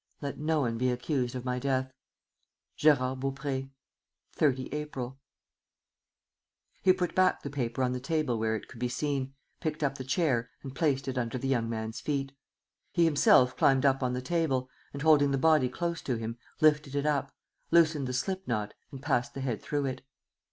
Let no one be accused of my death. "GÉRARD BAUPRÉ. "30 April." He put back the paper on the table where it could be seen, picked up the chair and placed it under the young man's feet. He himself climbed up on the table and, holding the body close to him, lifted it up, loosened the slip knot and passed the head through it.